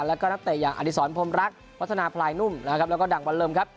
และก็นักเตะอย่างอธิสรพรหมรักวัฒนาพลายนุ่มและดังวันเริ่ม